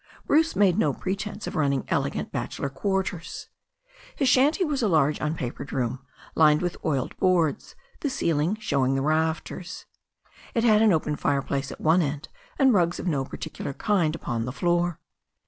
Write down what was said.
Bruce made no pretence of running elegant bachelor quar ters. His shanty was a large tmpapered room, lined with oiled boards, the ceiling showing the rafters. It had an open fireplace at one end, and rugs of no particular kind upon the floor.